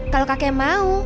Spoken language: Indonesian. kalau kakek mau